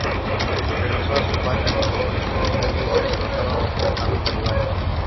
Regresó a su patria cuando los estadounidenses derrocaron a los talibanes.